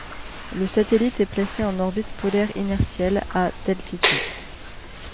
Le satellite est placé en orbite polaire inertielle à d'altitude.